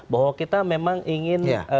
bahwa kita memang ingin